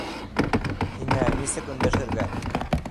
Һиңә нисек өндәшергә?..